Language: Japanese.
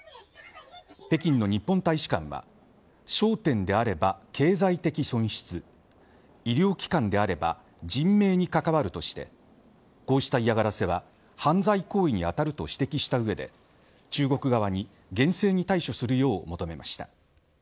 北京の日本大使館は商店であれば経済的損失医療機関であれば人命に関わるとしてこうした嫌がらせは犯罪行為に当たると指摘した上で中国側に厳正に対処するよう求めました。